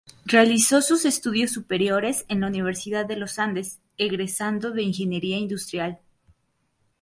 Realizó sus estudios superiores en la Universidad de Los Andes, egresando de ingeniería industrial.